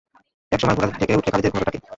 এক সময় ঘোড়া ডেকে উঠলে খালিদ-এর ঘোরকাটে।